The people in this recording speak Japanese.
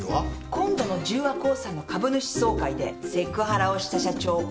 今度の十和興産の株主総会でセクハラをした社長小沼の解任